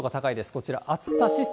こちら、暑さ指数。